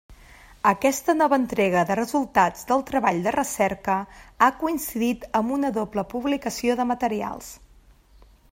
Aquesta nova entrega de resultats del treball de recerca ha coincidit amb una doble publicació de materials.